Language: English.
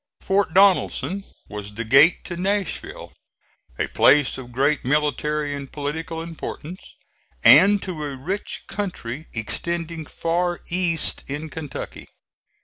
Fort Donelson was the gate to Nashville a place of great military and political importance and to a rich country extending far east in Kentucky.